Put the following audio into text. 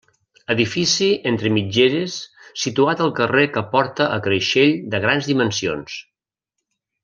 Edifici entre mitgeres situat al carrer que porta a Creixell de grans dimensions.